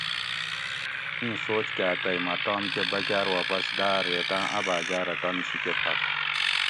اِیں سوچ کاۤ تئ مۤہ تام کۤہ بکاۤر واپس داۤ ریتاۤں اۤ باۤجاۤ رہ تانی شیکۤہ پھڛ